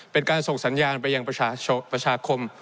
เป็นการส่งสัญญาณไปยังประชาคม